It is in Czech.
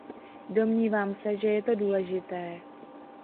Domnívám se, že je to důležité.